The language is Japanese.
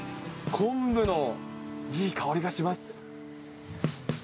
昆布のいい香りがします。